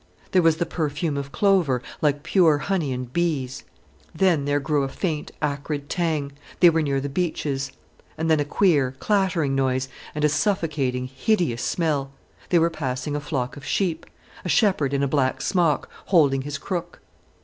There was the perfume of clover, like pure honey and bees. Then there grew a faint acrid tang—they were near the beeches; and then a queer clattering noise, and a suffocating, hideous smell; they were passing a flock of sheep, a shepherd in a black smock, holding his crook.